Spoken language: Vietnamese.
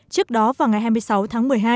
trước đó vào ngày hai mươi sáu tháng một mươi hai